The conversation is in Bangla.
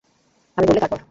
আমি বললে তারপর।